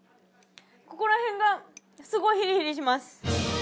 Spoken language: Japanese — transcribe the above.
ここら辺がすごいヒリヒリします